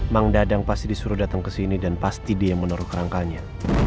mang dadang pasti disuruh datang ke sini dan pasti dia yang menurut rangkanya